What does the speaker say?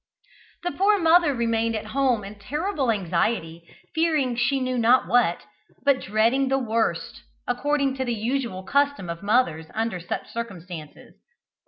The poor mother remained at home in terrible anxiety, fearing she knew not what, but dreading the worst, according to the usual custom of mothers under such circumstances.